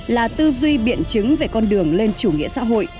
là tư duy biện chứng về con đường lên chủ nghĩa xã hội